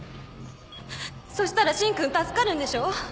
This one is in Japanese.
そしたら芯君助かるんでしょ？